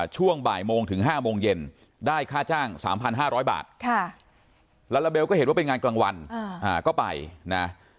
ช่วงบ่ายโมงถึง๕โมงเย็นได้ค่าจ้าง๓๕๐๐บาทลาลาเบลก็เห็นว่าเป็นงานกลางวันก็ไปนะ